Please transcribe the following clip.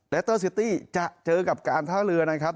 เตอร์ซิตี้จะเจอกับการท่าเรือนะครับ